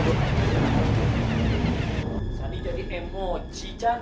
akan saya meminta